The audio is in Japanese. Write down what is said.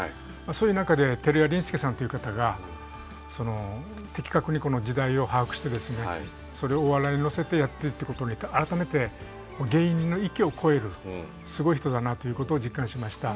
そういう中で照屋林助さんという方が的確にこの時代を把握してそれをお笑いに乗せてやってるってことに改めて芸人の域を超えるすごい人だなということを実感しました。